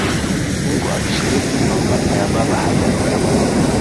Mungu akishiriki mamlaka ya Baba hadi atakaporudi